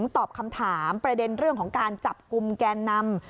ตอบคำถามประเด็นเรื่องของการจับกลุ่มแกนนำ